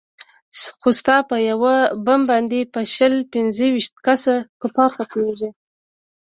خو ستا په يو بم باندې به شل پينځه ويشت كسه كفار ختميږي.